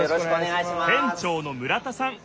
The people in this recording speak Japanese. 店長の村田さん。